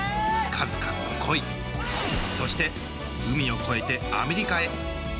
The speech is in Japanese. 数々の恋そして海を越えてアメリカへ。